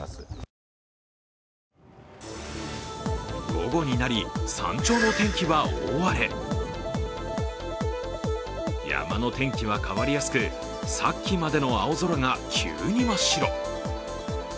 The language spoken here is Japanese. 午後になり、山頂の天気は大荒れ山の天気は変わりやすくさっきまでの青空が急に真っ白。